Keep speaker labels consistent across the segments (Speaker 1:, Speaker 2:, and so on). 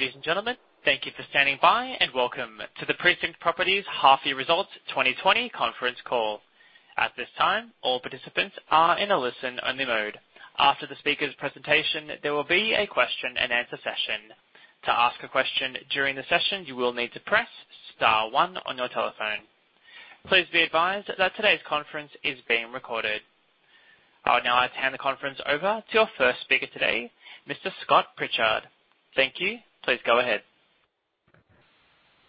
Speaker 1: Ladies and gentlemen, thank you for standing by. Welcome to the Precinct Properties Half Year Results 2020 conference call. At this time, all participants are in a listen-only mode. After the speaker's presentation, there will be a question and answer session. To ask a question during the session, you will need to press star one on your telephone. Please be advised that today's conference is being recorded. I would now like to hand the conference over to our first speaker today, Mr. Scott Pritchard. Thank you. Please go ahead.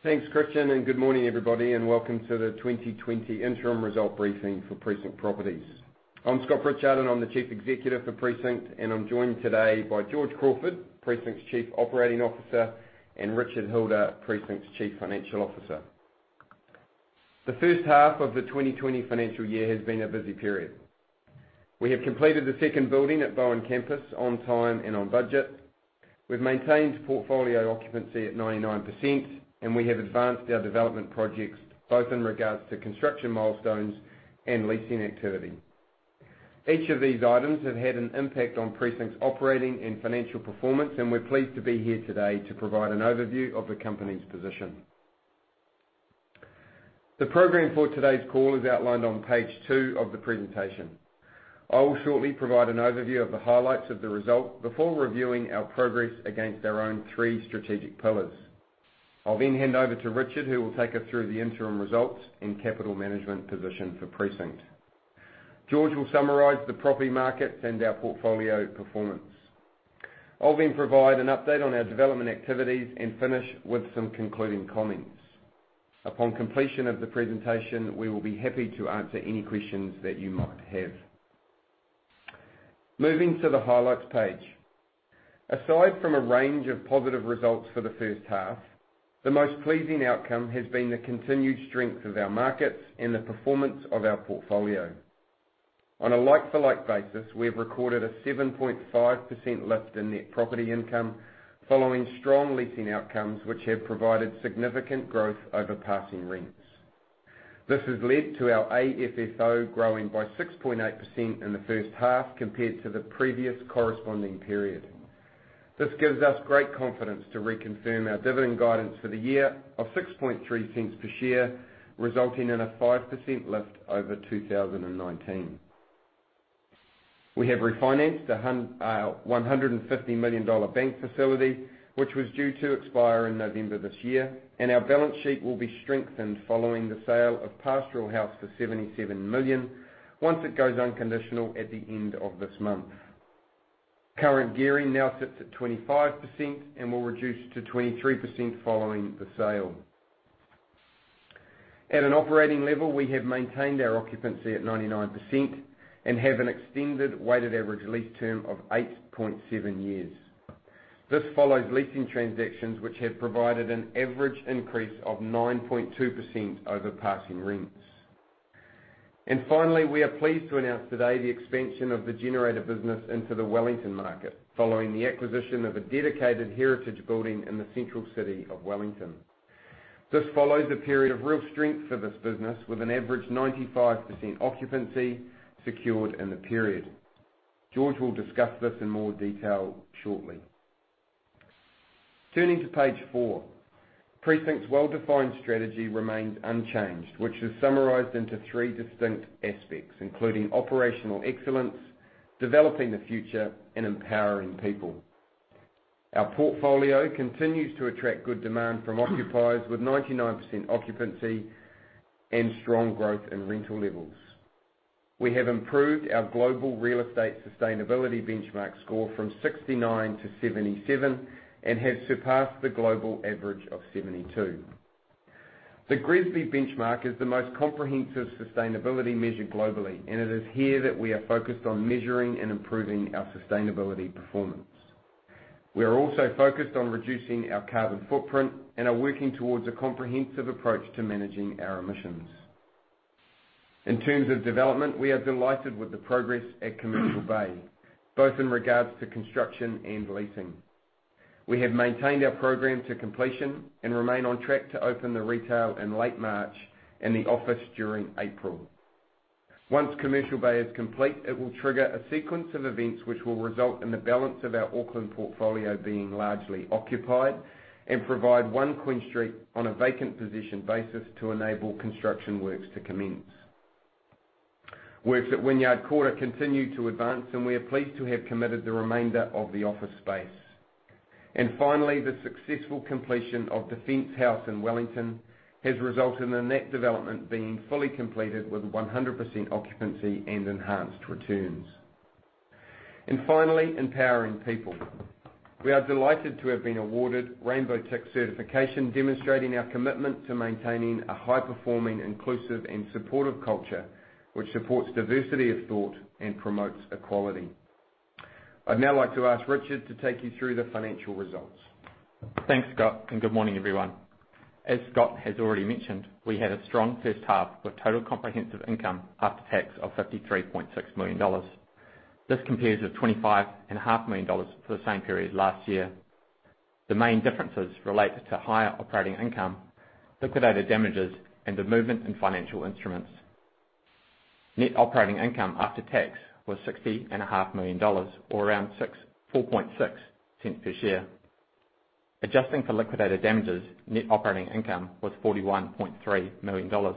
Speaker 2: Thanks, Christian. Good morning, everybody. Welcome to the 2020 interim result briefing for Precinct Properties. I'm Scott Pritchard, and I'm the chief executive for Precinct. I'm joined today by George Crawford, Precinct's chief operating officer, and Richard Hilder, Precinct's chief financial officer. The first half of the 2020 financial year has been a busy period. We have completed the second building at Bowen Campus on time and on budget. We have maintained portfolio occupancy at 99%. We have advanced our development projects both in regards to construction milestones and leasing activity. Each of these items have had an impact on Precinct's operating and financial performance. We're pleased to be here today to provide an overview of the company's position. The program for today's call is outlined on page two of the presentation. I will shortly provide an overview of the highlights of the result before reviewing our progress against our own three strategic pillars. I'll then hand over to Richard, who will take us through the interim results and capital management position for Precinct. George will summarize the property markets and our portfolio performance. I'll provide an update on our development activities and finish with some concluding comments. Upon completion of the presentation, we will be happy to answer any questions that you might have. Moving to the highlights page. Aside from a range of positive results for the first half, the most pleasing outcome has been the continued strength of our markets and the performance of our portfolio. On a like-for-like basis, we have recorded a 7.5% lift in net property income following strong leasing outcomes, which have provided significant growth over passing rents. This has led to our AFFO growing by 6.8% in the first half, compared to the previous corresponding period. This gives us great confidence to reconfirm our dividend guidance for the year of 0.063 per share, resulting in a 5% lift over 2019. We have refinanced our 150 million dollar bank facility, which was due to expire in November this year. Our balance sheet will be strengthened following the sale of Pastoral House for NZD 77 million, once it goes unconditional at the end of this month. Current gearing now sits at 25% and will reduce to 23% following the sale. At an operating level, we have maintained our occupancy at 99% and have an extended weighted average lease term of 8.7 years. This follows leasing transactions, which have provided an average increase of 9.2% over passing rents. We are pleased to announce today the expansion of the Generator business into the Wellington market, following the acquisition of a dedicated heritage building in the central city of Wellington. This follows a period of real strength for this business, with an average 95% occupancy secured in the period. George will discuss this in more detail shortly. Turning to page four. Precinct's well-defined strategy remains unchanged, which is summarized into three distinct aspects, including operational excellence, developing the future, and empowering people. Our portfolio continues to attract good demand from occupiers, with 99% occupancy and strong growth in rental levels. We have improved our global real estate sustainability benchmark score from 69 to 77 and have surpassed the global average of 72. The GRESB benchmark is the most comprehensive sustainability measure globally, and it is here that we are focused on measuring and improving our sustainability performance. We are also focused on reducing our carbon footprint and are working towards a comprehensive approach to managing our emissions. In terms of development, we are delighted with the progress at Commercial Bay, both in regards to construction and leasing. We have maintained our program to completion and remain on track to open the retail in late March and the office during April. Once Commercial Bay is complete, it will trigger a sequence of events, which will result in the balance of our Auckland portfolio being largely occupied and provide One Queen Street on a vacant possession basis to enable construction works to commence. Works at Wynyard Quarter continue to advance, we are pleased to have committed the remainder of the office space. Finally, the successful completion of Defence House in Wellington has resulted in the net development being fully completed with 100% occupancy and enhanced returns. Finally, empowering people. We are delighted to have been awarded Rainbow Tick certification, demonstrating our commitment to maintaining a high-performing, inclusive, and supportive culture, which supports diversity of thought and promotes equality. I'd now like to ask Richard to take you through the financial results.
Speaker 3: Thanks, Scott, good morning, everyone. As Scott has already mentioned, we had a strong first half, with total comprehensive income after tax of NZD 53.6 million. This compares with NZD 25.5 million for the same period last year. The main differences relate to higher operating income, liquidated damages, and the movement in financial instruments. Net operating income after tax was 60.5 million dollars, or around 0.046 per share. Adjusting for liquidated damages, net operating income was 41.3 million dollars,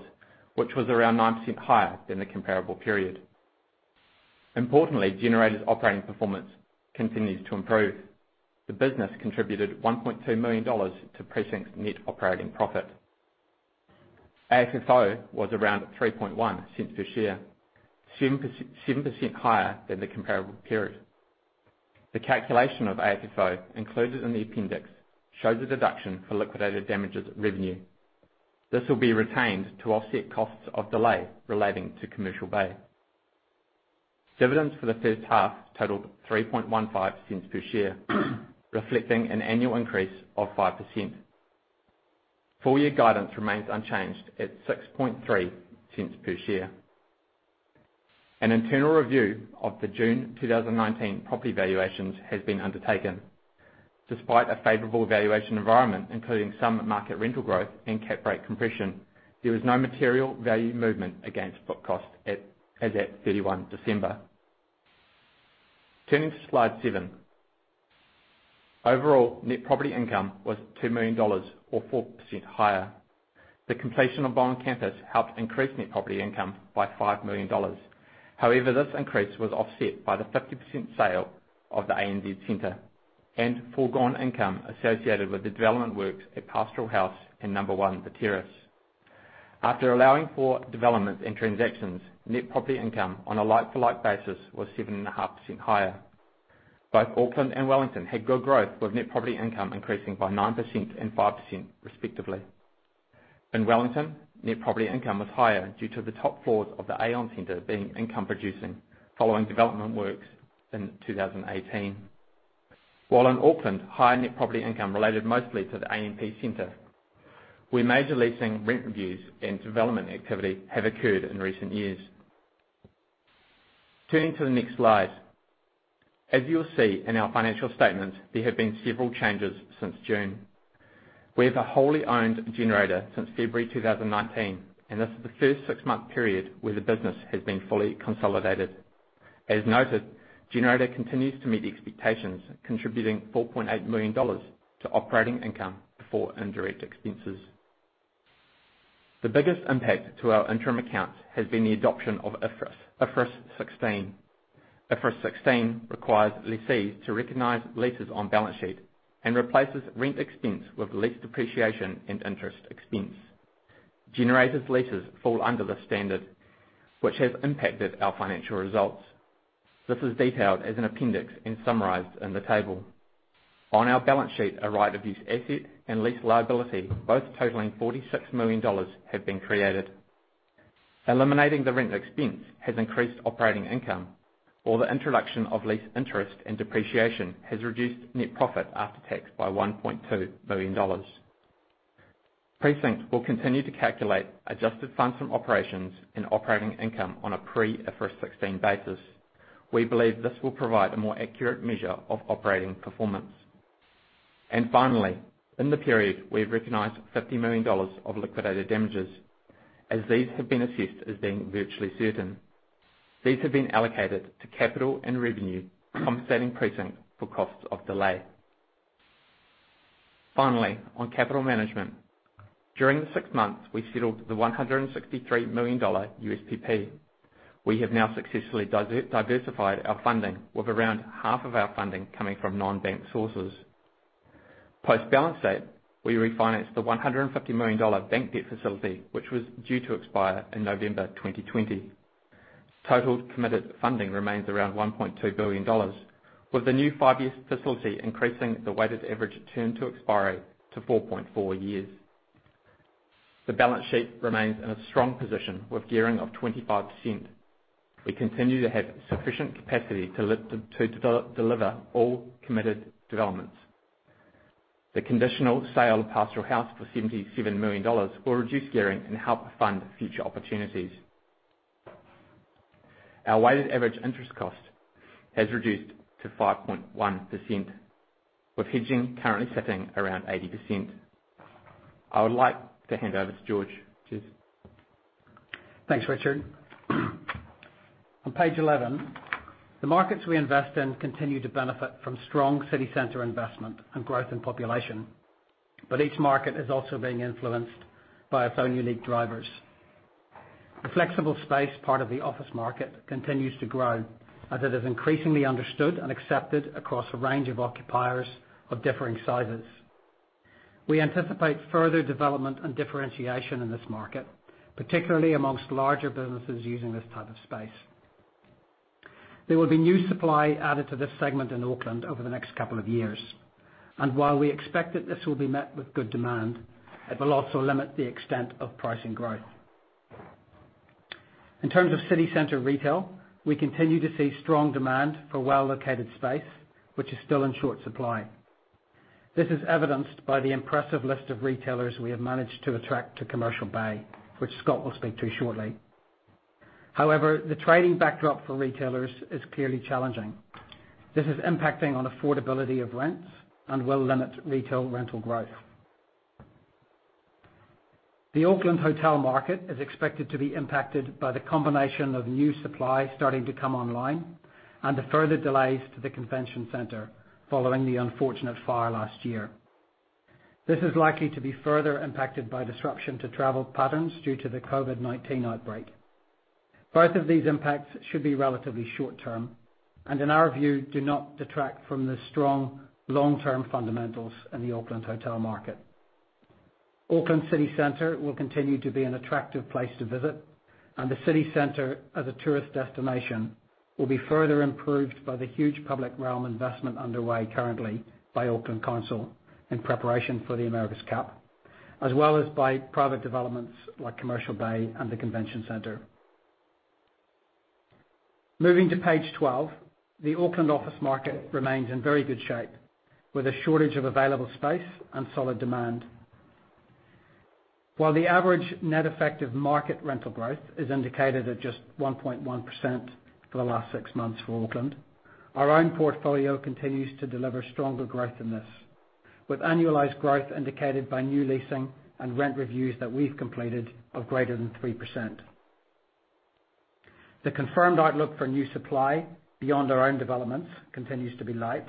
Speaker 3: which was around 9% higher than the comparable period. Importantly, Generator's operating performance continues to improve. The business contributed 1.2 million dollars to Precinct's net operating profit. AFFO was around 0.031 per share, 7% higher than the comparable period. The calculation of AFFO included in the appendix shows a deduction for liquidated damages revenue. This will be retained to offset costs of delay relating to Commercial Bay. Dividends for the first half totaled 0.0315 per share, reflecting an annual increase of 5%. Full year guidance remains unchanged at 0.063 per share. An internal review of the June 2019 property valuations has been undertaken. Despite a favorable valuation environment, including some market rental growth and cap rate compression, there was no material value movement against book cost as at 31 December. Turning to Slide 7. Overall, net property income was 2 million dollars, or 4% higher. The completion of Bowen Campus helped increase net property income by 5 million dollars. However, this increase was offset by the 50% sale of the ANZ Centre and foregone income associated with the development works at Pastoral House and Number One The Terrace. After allowing for developments and transactions, net property income on a like-for-like basis was 7.5% higher. Both Auckland and Wellington had good growth, with net property income increasing by 9% and 5%, respectively. In Wellington, net property income was higher due to the top floors of the Aon Centre being income producing following development works in 2018. While in Auckland, high net property income related mostly to the AMP Centre, where major leasing rent reviews and development activity have occurred in recent years. Turning to the next slide. As you will see in our financial statement, there have been several changes since June. We have a wholly owned Generator since February 2019, and this is the first six-month period where the business has been fully consolidated. As noted, Generator continues to meet the expectations, contributing 4.8 million dollars to operating income before indirect expenses. The biggest impact to our interim accounts has been the adoption of IFRS 16. IFRS 16 requires lessees to recognize leases on balance sheet and replaces rent expense with lease depreciation and interest expense. Generator's leases fall under the standard which has impacted our financial results. This is detailed as an appendix and summarized in the table. On our balance sheet, a right of use asset and lease liability, both totaling 46 million dollars, have been created. Eliminating the rent expense has increased operating income, while the introduction of lease interest and depreciation has reduced net profit after tax by 1.2 million dollars. Precinct will continue to calculate Adjusted Funds From Operations and operating income on a pre-IFRS 16 basis. We believe this will provide a more accurate measure of operating performance. Finally, in the period, we've recognized NZD 50 million of liquidated damages, as these have been assessed as being virtually certain. These have been allocated to capital and revenue, compensating Precinct for costs of delay. Finally, on capital management. During the six months, we settled the 163 million dollar USPP. We have now successfully diversified our funding, with around half of our funding coming from non-bank sources. Post-balance date, we refinanced the 150 million dollar bank debt facility, which was due to expire in November 2020. Total committed funding remains around 1.2 billion dollars, with the new five-year facility increasing the weighted average term to expiry to 4.4 years. The balance sheet remains in a strong position with gearing of 25%. We continue to have sufficient capacity to deliver all committed developments. The conditional sale of Pastoral House for NZD 77 million will reduce gearing and help fund future opportunities. Our weighted average interest cost has reduced to 5.1%, with hedging currently sitting around 80%. I would like to hand over to George. Cheers.
Speaker 4: Thanks, Richard. On Page 11, the markets we invest in continue to benefit from strong city center investment and growth in population, each market is also being influenced by its own unique drivers. The flexible space part of the office market continues to grow as it is increasingly understood and accepted across a range of occupiers of differing sizes. We anticipate further development and differentiation in this market, particularly amongst larger businesses using this type of space. There will be new supply added to this segment in Auckland over the next couple of years, and while we expect that this will be met with good demand, it will also limit the extent of pricing growth. In terms of city center retail, we continue to see strong demand for well-located space, which is still in short supply. This is evidenced by the impressive list of retailers we have managed to attract to Commercial Bay, which Scott will speak to shortly. The trading backdrop for retailers is clearly challenging. This is impacting on affordability of rents and will limit retail rental growth. The Auckland hotel market is expected to be impacted by the combination of new supply starting to come online and the further delays to the Convention Centre following the unfortunate fire last year. This is likely to be further impacted by disruption to travel patterns due to the COVID-19 outbreak. Both of these impacts should be relatively short-term and, in our view, do not detract from the strong long-term fundamentals in the Auckland hotel market. Auckland city center will continue to be an attractive place to visit, the city center as a tourist destination will be further improved by the huge public realm investment underway currently by Auckland Council in preparation for the America's Cup, as well as by private developments like Commercial Bay and the Convention Centre. Moving to page 12. The Auckland office market remains in very good shape with a shortage of available space and solid demand. While the average net effective market rental growth is indicated at just 1.1% for the last six months for Auckland, our own portfolio continues to deliver stronger growth than this with annualized growth indicated by new leasing and rent reviews that we've completed of greater than 3%. The confirmed outlook for new supply beyond our own developments continues to be light.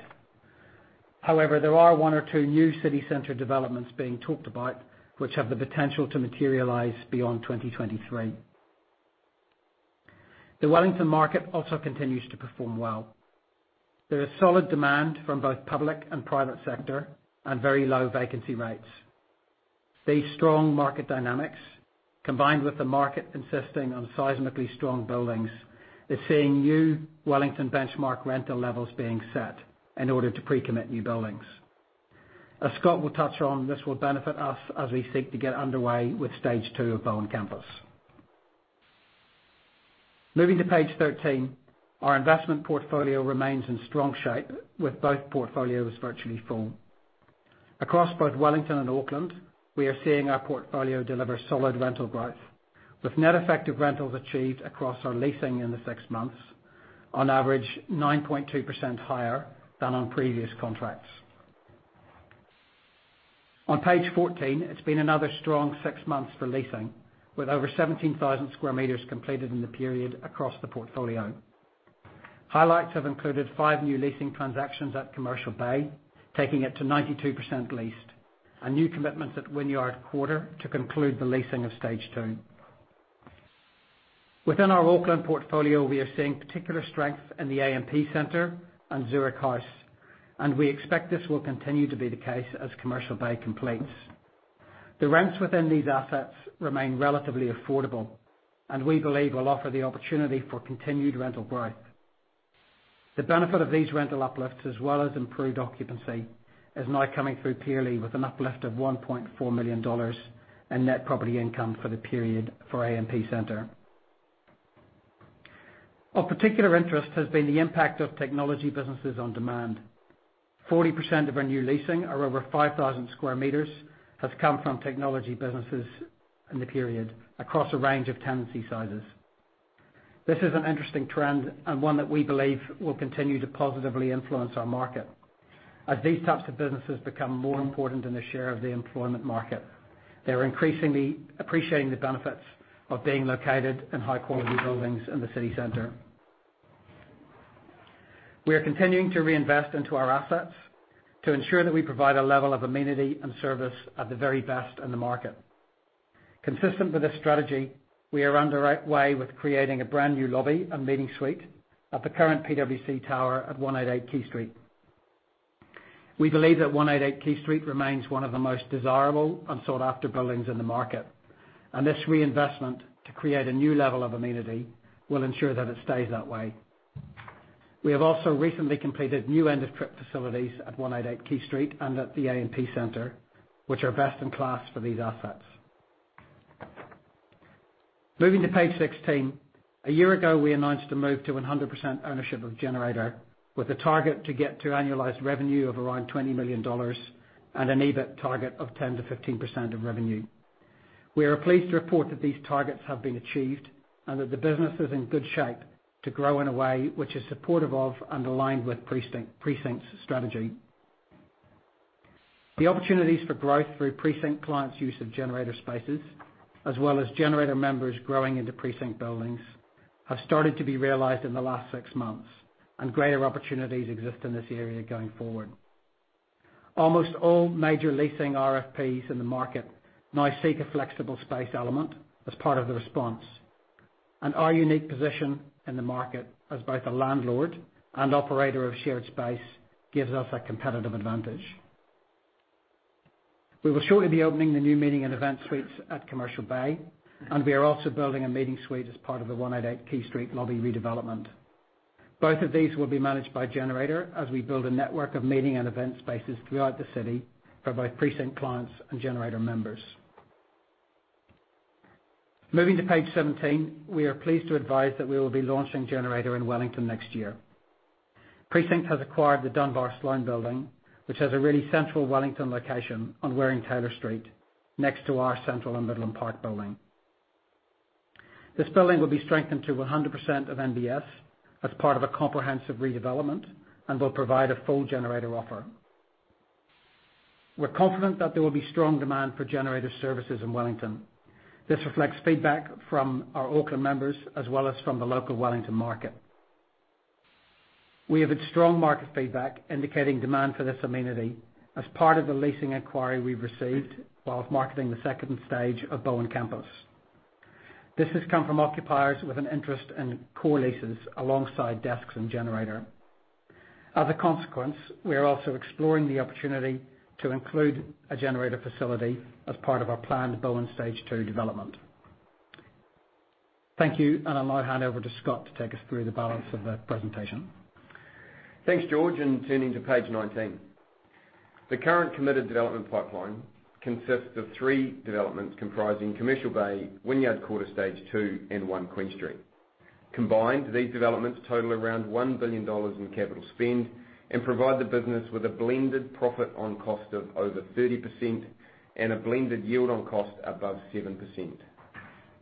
Speaker 4: There are one or two new city center developments being talked about which have the potential to materialize beyond 2023. The Wellington market also continues to perform well. There is solid demand from both public and private sector and very low vacancy rates. These strong market dynamics, combined with the market insisting on seismically strong buildings, is seeing new Wellington benchmark rental levels being set in order to pre-commit new buildings. As Scott will touch on, this will benefit us as we seek to get underway with stage 2 of Bowen Campus. Moving to page 13. Our investment portfolio remains in strong shape with both portfolios virtually full. Across both Wellington and Auckland, we are seeing our portfolio deliver solid rental growth with net effective rentals achieved across our leasing in the six months, on average 9.2% higher than on previous contracts. On page 14, it has been another strong six months for leasing with over 17,000 sq m completed in the period across the portfolio. Highlights have included five new leasing transactions at Commercial Bay, taking it to 92% leased, new commitments at Wynyard Quarter to conclude the leasing of stage 2. Within our Auckland portfolio, we are seeing particular strength in the AMP Centre and Zurich House. We expect this will continue to be the case as Commercial Bay completes. The rents within these assets remain relatively affordable. We believe will offer the opportunity for continued rental growth. The benefit of these rental uplifts as well as improved occupancy is now coming through clearly with an uplift of 1.4 million dollars in net property income for the period for AMP Centre. Of particular interest has been the impact of technology businesses on demand. 40% of our new leasing are over 5,000 sq m, has come from technology businesses in the period across a range of tenancy sizes. This is an interesting trend. One that we believe will continue to positively influence our market. As these types of businesses become more important in the share of the employment market, they are increasingly appreciating the benefits of being located in high-quality buildings in the city center. We are continuing to reinvest into our assets to ensure that we provide a level of amenity and service at the very best in the market. Consistent with this strategy, we are underway with creating a brand-new lobby and meeting suite at the current PwC tower at 188 Quay Street. We believe that 188 Quay Street remains one of the most desirable and sought-after buildings in the market. This reinvestment to create a new level of amenity will ensure that it stays that way. We have also recently completed new end-of-trip facilities at 188 Quay Street and at the AMP Centre, which are best in class for these assets. Moving to page 16. A year ago, we announced a move to 100% ownership of Generator with a target to get to annualized revenue of around 20 million dollars. An EBIT target of 10%-15% of revenue. We are pleased to report that these targets have been achieved. That the business is in good shape to grow in a way which is supportive of and aligned with Precinct's strategy. The opportunities for growth through Precinct clients' use of Generator spaces, as well as Generator members growing into Precinct buildings, have started to be realized in the last six months. Greater opportunities exist in this area going forward. Almost all major leasing RFPs in the market now seek a flexible space element as part of the response. Our unique position in the market as both a landlord and operator of shared space gives us a competitive advantage. We will shortly be opening the new meeting and event suites at Commercial Bay. We are also building a meeting suite as part of the 188 Quay Street lobby redevelopment. Both of these will be managed by Generator as we build a network of meeting and event spaces throughout the city for both Precinct clients and Generator members. Moving to page 17. We are pleased to advise that we will be launching Generator in Wellington next year. Precinct has acquired the Dunbar Sloane Building, which has a really central Wellington location on Waring Taylor Street next to our Central on Midland Park building. This building will be strengthened to 100% of NBS as part of a comprehensive redevelopment and will provide a full Generator offer. We're confident that there will be strong demand for Generator services in Wellington. This reflects feedback from our Auckland members, as well as from the local Wellington market. We have had strong market feedback indicating demand for this amenity as part of the leasing inquiry we've received whilst marketing the second stage of Bowen Campus. This has come from occupiers with an interest in core leases alongside desks and Generator. As a consequence, we are also exploring the opportunity to include a Generator facility as part of our planned Bowen Stage 2 development. Thank you. I'll now hand over to Scott to take us through the balance of the presentation.
Speaker 2: Thanks, George, turning to page 19. The current committed development pipeline consists of three developments comprising Commercial Bay, Wynyard Quarter Stage 2, and One Queen Street. Combined, these developments total around 1 billion dollars in capital spend and provide the business with a blended profit on cost of over 30% and a blended yield on cost above 7%.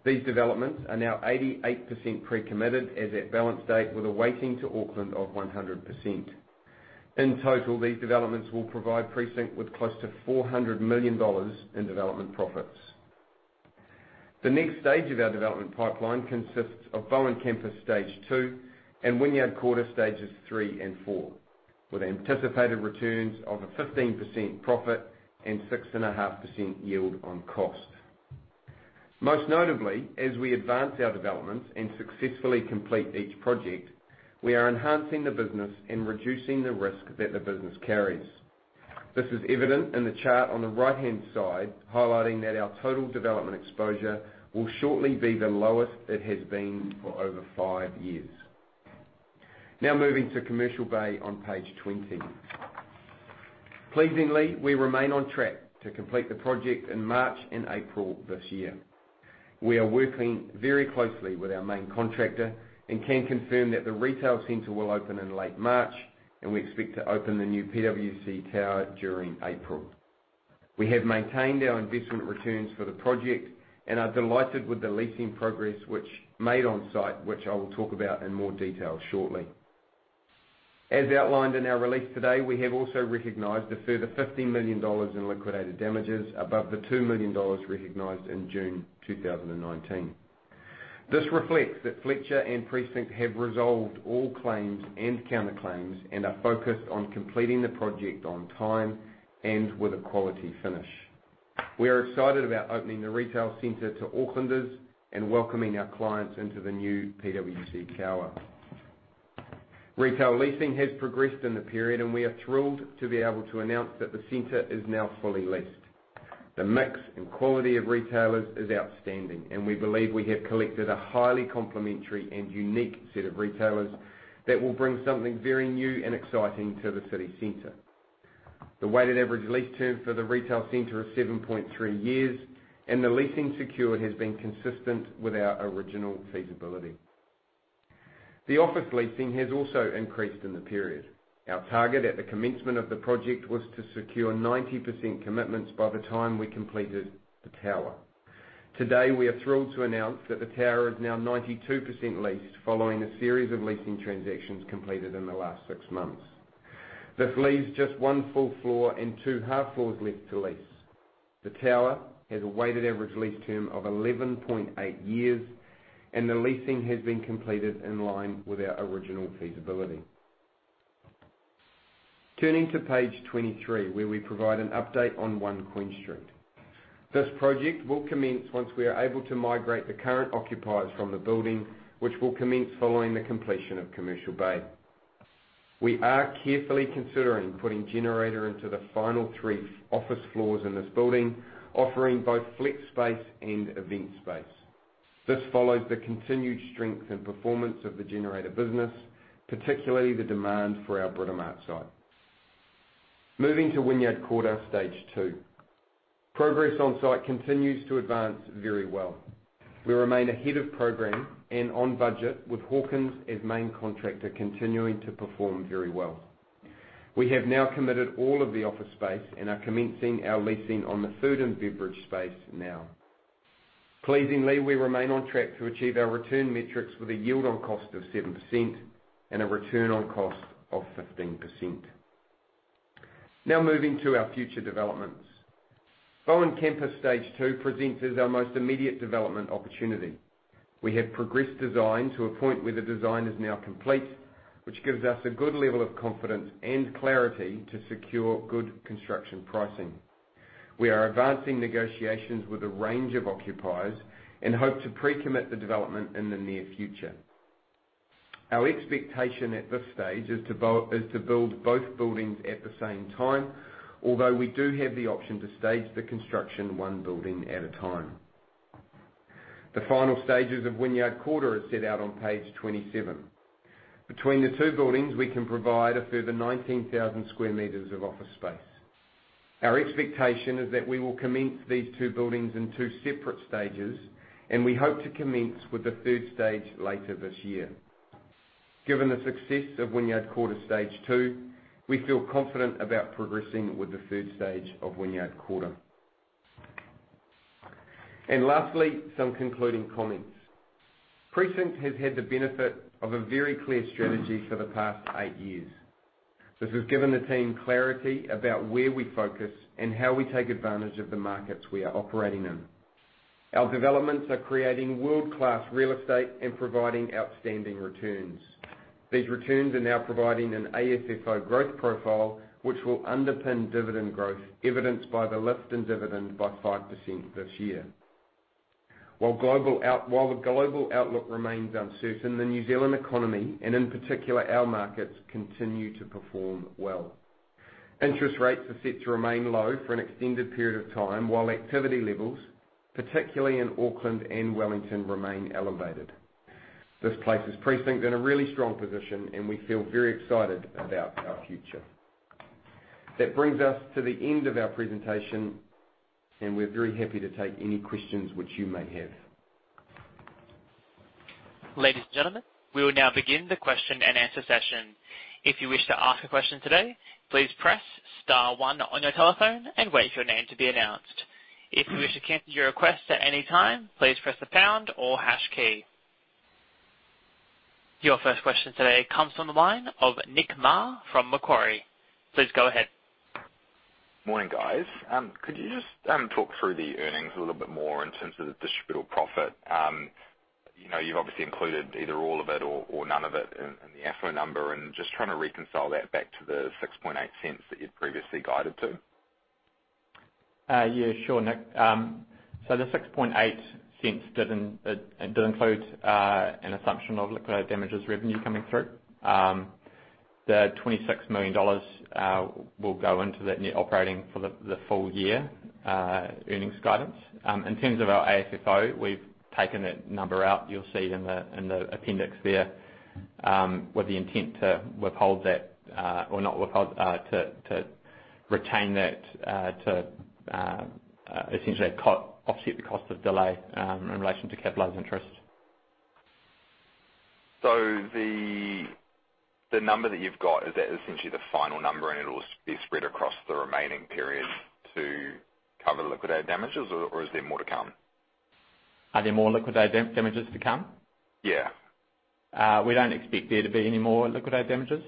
Speaker 2: These developments are now 88% pre-committed as at balance date, with a weighting to Auckland of 100%. In total, these developments will provide Precinct with close to 400 million dollars in development profits. The next stage of our development pipeline consists of Bowen Campus Stage 2 and Wynyard Quarter Stages 3 and 4, with anticipated returns of a 15% profit and 6.5% yield on cost. Most notably, as we advance our developments and successfully complete each project, we are enhancing the business and reducing the risk that the business carries. This is evident in the chart on the right-hand side, highlighting that our total development exposure will shortly be the lowest it has been for over five years. Moving to Commercial Bay on page 20. Pleasingly, we remain on track to complete the project in March and April this year. We are working very closely with our main contractor and can confirm that the retail center will open in late March, and we expect to open the new PwC tower during April. We have maintained our investment returns for the project and are delighted with the leasing progress made on site, which I will talk about in more detail shortly. As outlined in our release today, we have also recognized a further 15 million dollars in liquidated damages above the 2 million dollars recognized in June 2019. This reflects that Fletcher and Precinct have resolved all claims and counterclaims and are focused on completing the project on time and with a quality finish. We are excited about opening the retail center to Aucklanders and welcoming our clients into the new PwC tower. Retail leasing has progressed in the period, and we are thrilled to be able to announce that the center is now fully leased. The mix and quality of retailers is outstanding, and we believe we have collected a highly complementary and unique set of retailers that will bring something very new and exciting to the city center. The weighted average lease term for the retail center is 7.3 years, and the leasing secured has been consistent with our original feasibility. The office leasing has also increased in the period. Our target at the commencement of the project was to secure 90% commitments by the time we completed the tower. Today, we are thrilled to announce that the tower is now 92% leased following a series of leasing transactions completed in the last six months. This leaves just one full floor and two half floors left to lease. The tower has a weighted average lease term of 11.8 years, and the leasing has been completed in line with our original feasibility. Turning to page 23, where we provide an update on One Queen Street. This project will commence once we are able to migrate the current occupiers from the building, which will commence following the completion of Commercial Bay. We are carefully considering putting Generator into the final three office floors in this building, offering both flex space and event space. This follows the continued strength and performance of the Generator business, particularly the demand for our Britomart site. Moving to Wynyard Quarter Stage 2. Progress on site continues to advance very well. We remain ahead of program and on budget, with Hawkins as main contractor continuing to perform very well. We have now committed all of the office space and are commencing our leasing on the food and beverage space now. Pleasingly, we remain on track to achieve our return metrics with a yield on cost of 7% and a return on cost of 15%. Now moving to our future developments. Bowen Campus Stage 2 presents as our most immediate development opportunity. We have progressed design to a point where the design is now complete, which gives us a good level of confidence and clarity to secure good construction pricing. We are advancing negotiations with a range of occupiers and hope to pre-commit the development in the near future. Our expectation at this stage is to build both buildings at the same time, although we do have the option to stage the construction one building at a time. The final stages of Wynyard Quarter are set out on page 27. Between the 2 buildings, we can provide a further 19,000 square meters of office space. Our expectation is that we will commence these 2 separate stages, and we hope to commence with the third stage later this year. Given the success of Wynyard Quarter Stage 2, we feel confident about progressing with the third stage of Wynyard Quarter. And lastly, some concluding comments. Precinct has had the benefit of a very clear strategy for the past eight years. This has given the team clarity about where we focus and how we take advantage of the markets we are operating in. Our developments are creating world-class real estate and providing outstanding returns. These returns are now providing an AFFO growth profile, which will underpin dividend growth, evidenced by the lift in dividend by 5% this year. While the global outlook remains uncertain, the New Zealand economy, and in particular our markets, continue to perform well. Interest rates are set to remain low for an extended period of time, while activity levels, particularly in Auckland and Wellington, remain elevated. This places Precinct in a really strong position, and we feel very excited about our future. That brings us to the end of our presentation, and we are very happy to take any questions which you may have.
Speaker 1: Ladies and gentlemen, we will now begin the question and answer session. If you wish to ask a question today, please press *1 on your telephone and wait for your name to be announced. If you wish to cancel your request at any time, please press the pound or hash key. Your first question today comes from the line of Nick Maher from Macquarie. Please go ahead.
Speaker 5: Morning, guys. Could you just talk through the earnings a little bit more in terms of the distributable profit? You have obviously included either all of it or none of it in the AFFO number, and just trying to reconcile that back to the 0.068 that you had previously guided to.
Speaker 3: Sure, Nick. The 0.068 did include an assumption of liquidated damages revenue coming through. The 26 million dollars will go into that net operating for the full year earnings guidance. In terms of our AFFO, we have taken that number out, you will see in the appendix there, with the intent to retain that to essentially offset the cost of delay in relation to capitalized interest.
Speaker 5: The number that you've got, is that essentially the final number and it'll be spread across the remaining period to cover the liquidated damages or is there more to come?
Speaker 3: Are there more liquidated damages to come?
Speaker 5: Yeah.
Speaker 3: We don't expect there to be any more liquidated damages.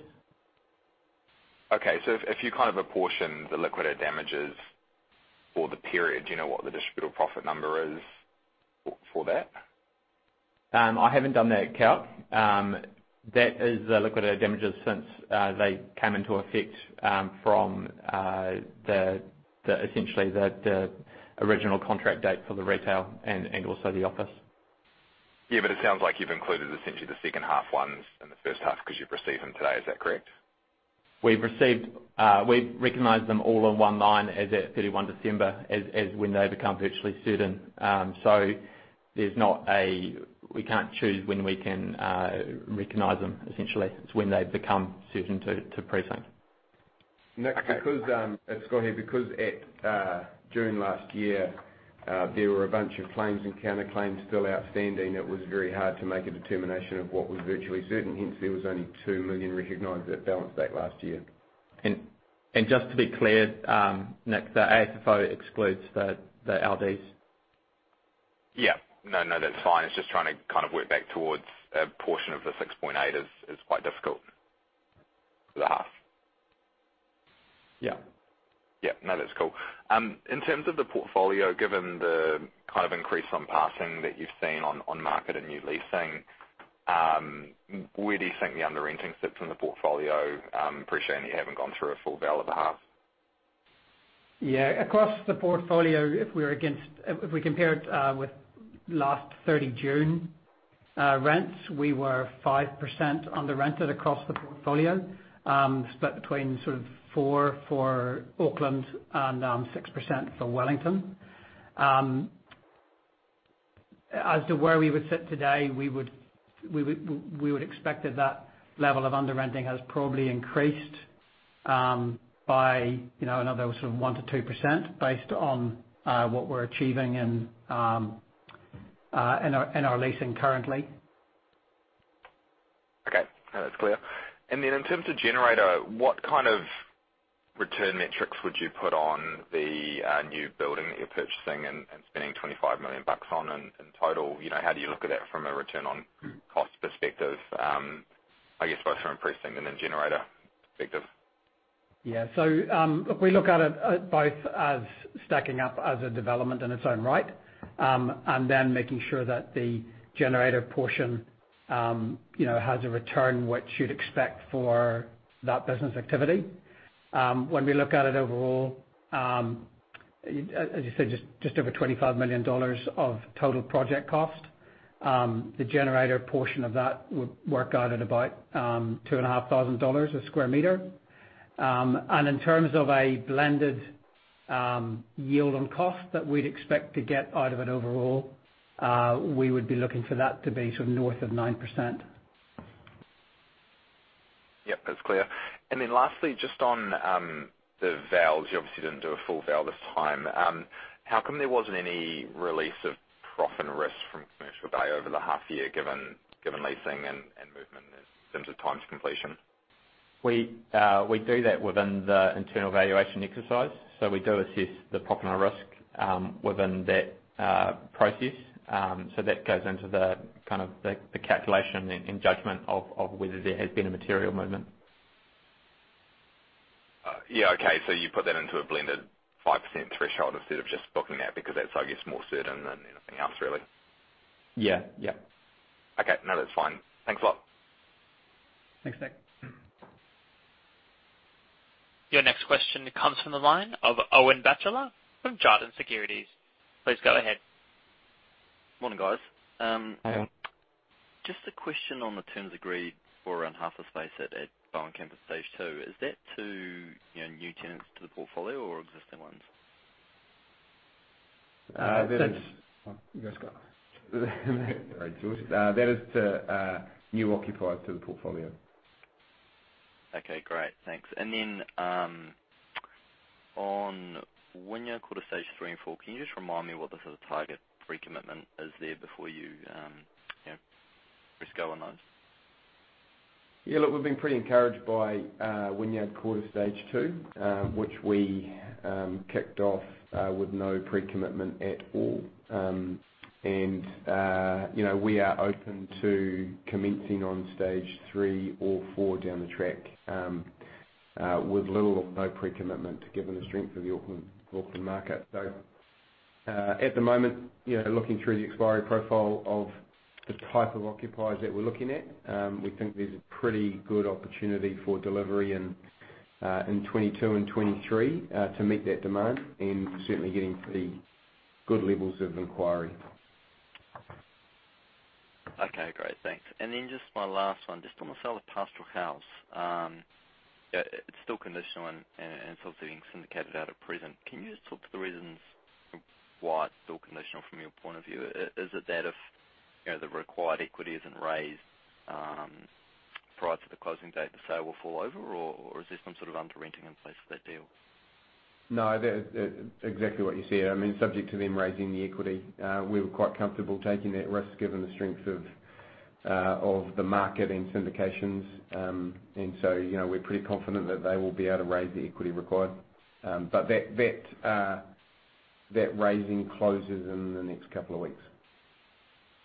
Speaker 5: Okay. If you apportion the liquidated damages for the period, do you know what the distributable profit number is for that?
Speaker 3: I haven't done that calc. That is the liquidated damages since they came into effect from essentially the original contract date for the retail and also the office.
Speaker 5: It sounds like you've included essentially the second half ones and the first half because you've received them today. Is that correct?
Speaker 3: We've recognized them all on one line as at 31 December, as when they become virtually certain. We can't choose when we can recognize them, essentially. It's when they become certain to Precinct.
Speaker 2: Nick, because at June last year, there were a bunch of claims and counterclaims still outstanding, it was very hard to make a determination of what was virtually certain, hence there was only 2 million recognized at balance date last year.
Speaker 3: Just to be clear, Nick, the AFFO excludes the LDs.
Speaker 5: Yeah. No, that's fine. It's just trying to work back towards a portion of the 6.8 is quite difficult for the half.
Speaker 3: Yeah.
Speaker 5: Yeah. No, that's cool. In terms of the portfolio, given the increase on passing that you've seen on market and new leasing, where do you think the underrenting sits in the portfolio, appreciating you haven't gone through a full val of the half?
Speaker 4: Yeah. Across the portfolio, if we compare it with last 30 June rents, we were 5% underrented across the portfolio, split between four for Auckland and 6% for Wellington. As to where we would sit today, we would expect that that level of underrenting has probably increased by another 1%-2%, based on what we're achieving in our leasing currently.
Speaker 5: Okay. No, that's clear. In terms of Generator, what kind of return metrics would you put on the new building that you're purchasing and spending 25 million bucks on in total? How do you look at that from a return on cost perspective, I guess both from a Precinct and then Generator perspective?
Speaker 4: Yeah. We look at it both as stacking up as a development in its own right, and then making sure that the Generator portion has a return which you'd expect for that business activity. When we look at it overall, as you said, just over 25 million dollars of total project cost. The Generator portion of that would work out at about 2,500 a sq m. In terms of a blended yield on cost that we'd expect to get out of it overall, we would be looking for that to be north of 9%.
Speaker 5: Yep, that's clear. Lastly, just on the vals. You obviously didn't do a full val this time. How come there wasn't any release of profit and risk from Commercial Bay over the half year given leasing and movement in terms of times completion?
Speaker 3: We do that within the internal valuation exercise. We do assess the profit and risk within that process. That goes into the calculation and judgment of whether there has been a material movement.
Speaker 5: Okay. You put that into a blended 5% threshold instead of just booking that, because that's, I guess, more certain than anything else, really.
Speaker 3: Yeah.
Speaker 5: Okay. No, that's fine. Thanks a lot.
Speaker 3: Thanks, Nick.
Speaker 1: Your next question comes from the line of Owen Batchelor from Jarden Securities. Please go ahead.
Speaker 6: Morning, guys.
Speaker 3: Morning.
Speaker 6: Just a question on the terms agreed for around half the space at Bowen Campus Stage 2. Is that to new tenants to the portfolio or existing ones?
Speaker 2: All right, George. That is to new occupiers to the portfolio.
Speaker 6: Okay, great. Thanks. Then, on Wynyard Quarter Stage 3 and 4, can you just remind me what the sort of target recommitment is there before you risk on those?
Speaker 2: We've been pretty encouraged by Wynyard Quarter Stage 2, which we kicked off with no pre-commitment at all. We are open to commencing on Stage 3 or 4 down the track, with little or no pre-commitment, given the strength of the Auckland market. At the moment, looking through the expiry profile of the type of occupiers that we're looking at, we think there's a pretty good opportunity for delivery in 2022 and 2023 to meet that demand, and certainly getting pretty good levels of inquiry.
Speaker 6: Okay, great. Thanks. Just my last one, just on the sale of Pastoral House. It's still conditional and still sitting syndicated out at present. Can you just talk to the reasons why it's still conditional from your point of view? Is it that if the required equity isn't raised, prior to the closing date, the sale will fall over, or is there some sort of underwriting in place for that deal?
Speaker 2: No, exactly what you said. Subject to them raising the equity. We were quite comfortable taking that risk given the strength of the market and syndications. We're pretty confident that they will be able to raise the equity required. That raising closes in the next couple of weeks.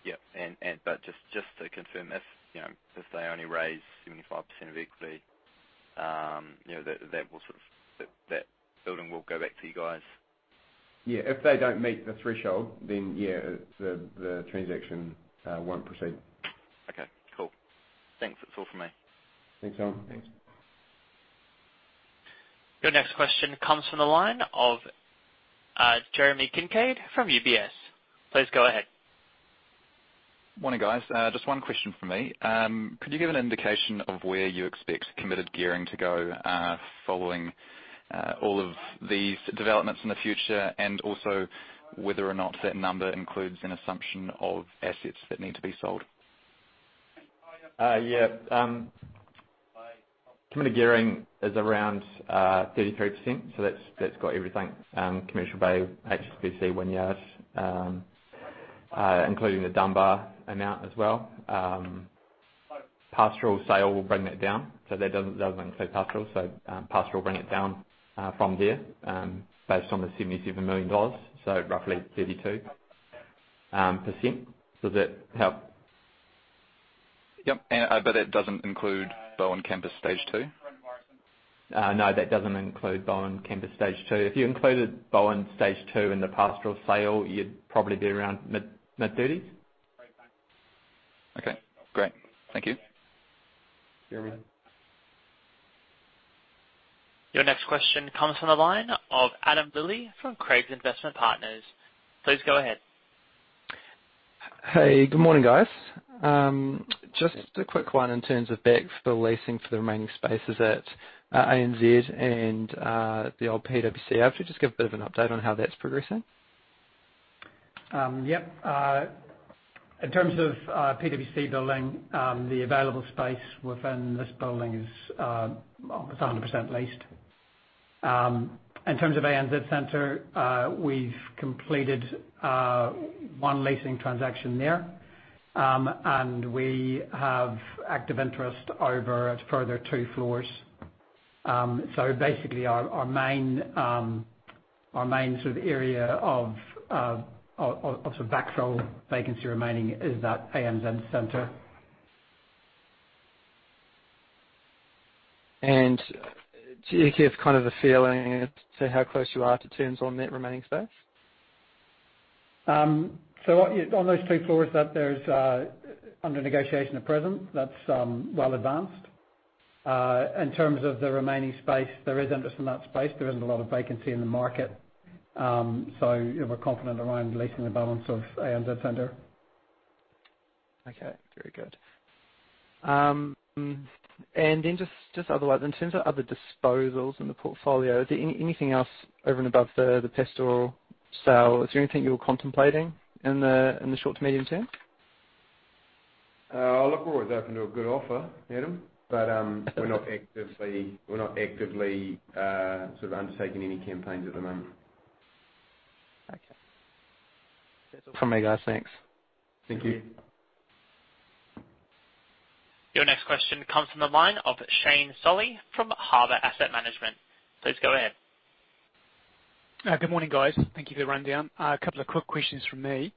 Speaker 6: Yep. Just to confirm, if they only raise 75% of equity, that building will go back to you guys.
Speaker 2: Yeah. If they don't meet the threshold, then yeah, the transaction won't proceed.
Speaker 6: Okay, cool. Thanks. That's all from me.
Speaker 2: Thanks, Owen.
Speaker 3: Thanks.
Speaker 1: Your next question comes from the line of Jeremy Kincaid from UBS. Please go ahead.
Speaker 7: Morning, guys. Just one question from me. Could you give an indication of where you expect committed gearing to go, following all of these developments in the future, and also whether or not that number includes an assumption of assets that need to be sold?
Speaker 3: Yeah. Committed gearing is around 33%. That's got everything. Commercial Bay, HSBC, Wynyard, including the Dunbar amount as well. Pastoral sale will bring that down. That doesn't include Pastoral. Pastoral will bring it down from there, based on the 77 million dollars. Roughly 32%. Does that help?
Speaker 7: Yep. It doesn't include Bowen Campus Stage 2.
Speaker 3: No, that doesn't include Bowen Campus Stage 2. If you included Bowen Stage 2 in the Pastoral sale, you'd probably be around mid-30s.
Speaker 7: Okay, great. Thank you.
Speaker 3: Jeremy.
Speaker 1: Your next question comes from the line of Adam Lilley from Craigs Investment Partners. Please go ahead.
Speaker 8: Hey, good morning, guys. Just a quick one in terms of backfill leasing for the remaining spaces at ANZ and the old PwC. Could you just give a bit of an update on how that is progressing?
Speaker 4: Yep. In terms of PwC building, the available space within this building is almost 100% leased. In terms of ANZ Centre, we have completed one leasing transaction there, and we have active interest over a further two floors. Basically, our main area of backfill vacancy remaining is that ANZ Centre.
Speaker 8: Do you give kind of a feeling as to how close you are to terms on that remaining space?
Speaker 4: On those two floors, there's under negotiation at present. That's well advanced. In terms of the remaining space, there is interest in that space. There isn't a lot of vacancy in the market. We're confident around leasing the balance of ANZ Centre.
Speaker 8: Okay, very good. Then just otherwise, in terms of other disposals in the portfolio, is there anything else over and above the Pastoral sale, is there anything you're contemplating in the short to medium term?
Speaker 2: Look, we're always open to a good offer, Adam. We're not actively undertaking any campaigns at the moment.
Speaker 8: Okay. That's all from me, guys. Thanks.
Speaker 2: Thank you.
Speaker 1: Your next question comes from the line of Shane Solly from Harbour Asset Management. Please go ahead.
Speaker 9: Good morning, guys. Thank you for the rundown. A couple of quick questions from me.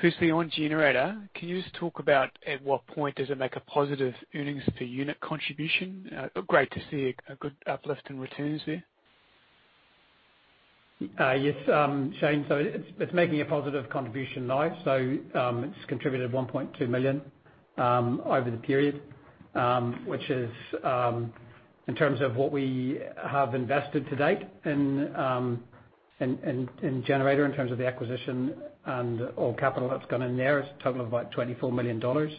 Speaker 9: Firstly, on Generator, can you just talk about at what point does it make a positive earnings per unit contribution? Great to see a good uplift in returns there.
Speaker 4: Yes, Shane. It's making a positive contribution now. It's contributed 1.2 million over the period, which is, in terms of what we have invested to date in Generator, in terms of the acquisition and all capital that's gone in there, it's a total of about 24 million dollars.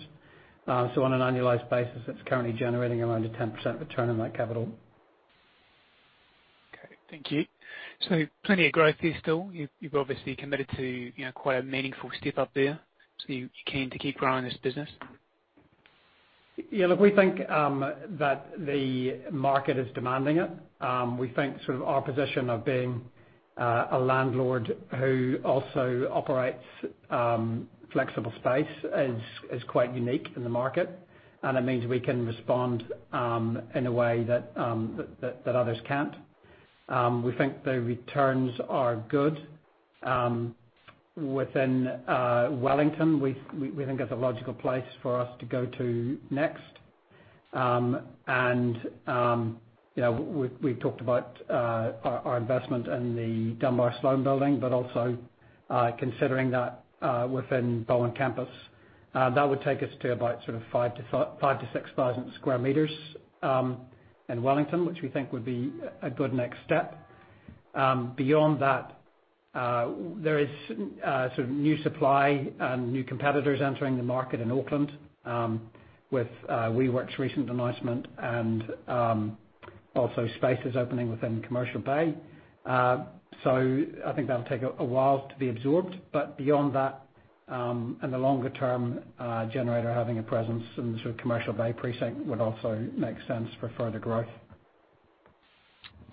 Speaker 4: On an annualized basis, it's currently generating around a 10% return on that capital.
Speaker 9: Okay. Thank you. Plenty of growth here still. You've obviously committed to quite a meaningful step up there, you're keen to keep growing this business.
Speaker 4: Yeah, look, we think that the market is demanding it. We think our position of being a landlord who also operates flexible space is quite unique in the market, and it means we can respond in a way that others can't. We think the returns are good. Within Wellington, we think that's a logical place for us to go to next. We talked about our investment in the Dunbar Sloane Building, but also considering that within Bowen Campus, that would take us to about 5,000 to 6,000 sq m in Wellington, which we think would be a good next step. Beyond that, there is new supply and new competitors entering the market in Auckland, with WeWork's recent announcement and also Spaces opening within Commercial Bay. I think that'll take a while to be absorbed. Beyond that, in the longer term, Generator having a presence in the Commercial Bay precinct would also make sense for further growth.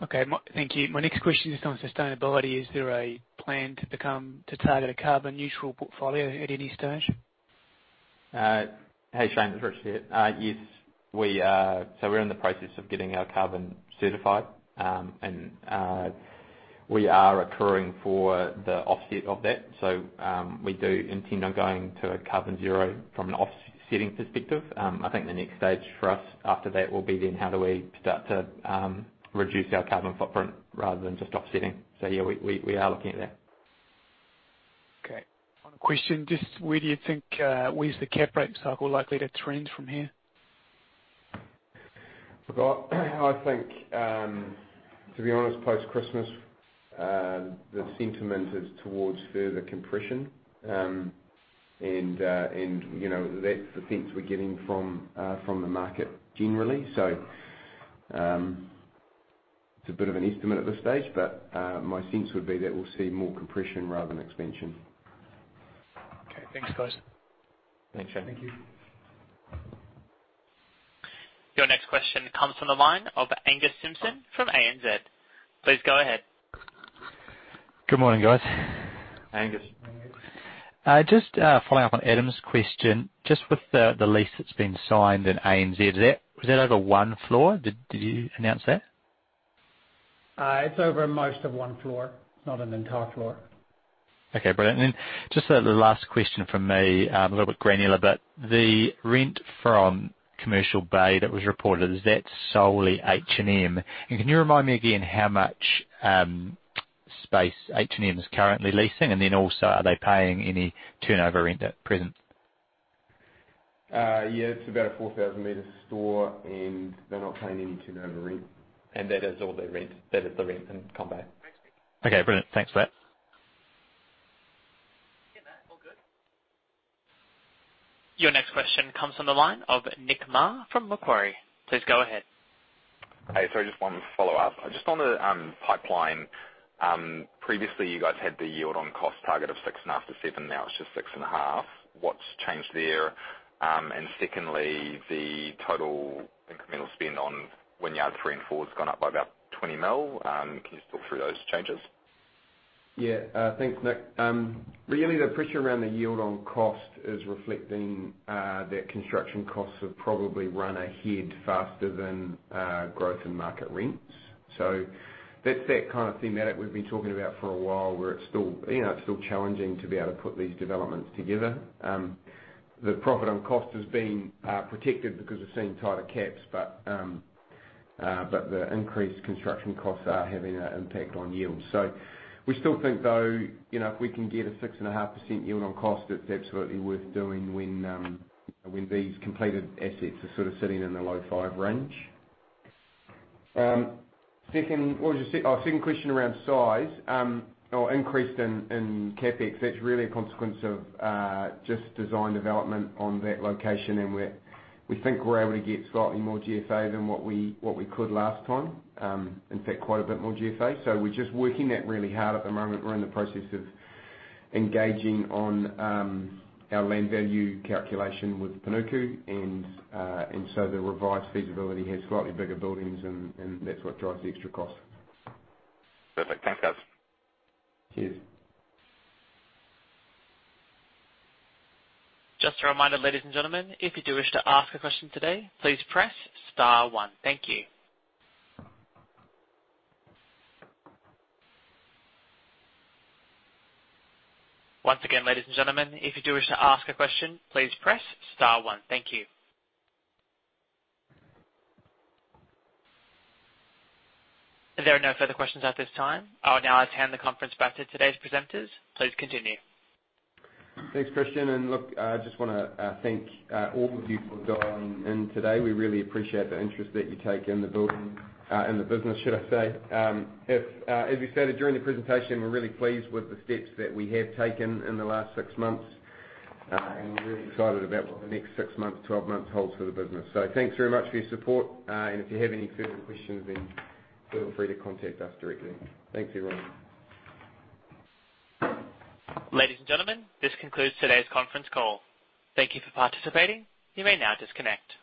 Speaker 9: Okay. Thank you. My next question is on sustainability. Is there a plan to target a carbon neutral portfolio at any stage?
Speaker 3: Hey, Shane. It's Rich here. Yes. We're in the process of getting our carbon certified, and we are accruing for the offset of that. We do intend on going to a carbon zero from an offsetting perspective. I think the next stage for us after that will be then how do we start to reduce our carbon footprint rather than just offsetting. Yeah, we are looking at that.
Speaker 9: Okay. One question, Where's the cap rate cycle likely to trend from here?
Speaker 2: Look, I think, to be honest, post-Christmas, the sentiment is towards further compression. That's the sense we're getting from the market generally. It's a bit of an estimate at this stage, but my sense would be that we'll see more compression rather than expansion.
Speaker 9: Okay. Thanks, guys.
Speaker 2: Thanks, Shane.
Speaker 3: Thank you.
Speaker 1: Your next question comes from the line of Angus Simpson from ANZ. Please go ahead.
Speaker 10: Good morning, guys.
Speaker 2: Angus.
Speaker 10: Just following up on Adam's question, just with the lease that's been signed in ANZ, was that over one floor? Did you announce that?
Speaker 4: It's over most of one floor, not an entire floor.
Speaker 10: Okay, brilliant. Then just the last question from me, a little bit granular, the rent from Commercial Bay that was reported, is that solely H&M? Can you remind me again how much space H&M is currently leasing? Then also, are they paying any turnover rent at present?
Speaker 2: It's about a 4,000 meter store, and they're not paying any turnover rent.
Speaker 3: That is all the rent. That is the rent in Commercial Bay.
Speaker 10: Brilliant. Thanks for that.
Speaker 1: Your next question comes from the line of Nick Maher from Macquarie. Please go ahead.
Speaker 5: Sorry, just one follow-up. Just on the pipeline. Previously, you guys had the yield on cost target of 6.5%-7%. Now it's just 6.5%. What's changed there? Secondly, the total incremental spend on Wynyard 3 and 4 has gone up by about 20 million. Can you just talk through those changes?
Speaker 2: Thanks, Nick. Really, the pressure around the yield on cost is reflecting that construction costs have probably run ahead faster than growth in market rents. That's that kind of thematic we've been talking about for a while, where it's still challenging to be able to put these developments together. The profit on cost has been protected because we're seeing tighter caps, but the increased construction costs are having an impact on yields. We still think, though, if we can get a 6.5% yield on cost, it's absolutely worth doing when these completed assets are sitting in the low 5 range. Second question around size, or increase in CapEx. That's really a consequence of just design development on that location, and we think we're able to get slightly more GFA than what we could last time. In fact, quite a bit more GFA. We're just working that really hard at the moment. We're in the process of engaging on our land value calculation with Panuku, the revised feasibility has slightly bigger buildings, and that's what drives the extra cost.
Speaker 5: Perfect. Thanks, guys.
Speaker 2: Cheers.
Speaker 1: Just a reminder, ladies and gentlemen, if you do wish to ask a question today, please press star one. Thank you. Once again, ladies and gentlemen, if you do wish to ask a question, please press star one. Thank you. There are no further questions at this time. I would now hand the conference back to today's presenters. Please continue.
Speaker 2: Thanks, Christian. Look, I just want to thank all of you for dialing in today. We really appreciate the interest that you take in the business, should I say. As we stated during the presentation, we're really pleased with the steps that we have taken in the last six months, we're really excited about what the next six months, 12 months holds for the business. Thanks very much for your support, if you have any further questions, feel free to contact us directly. Thanks, everyone.
Speaker 1: Ladies and gentlemen, this concludes today's conference call. Thank you for participating. You may now disconnect.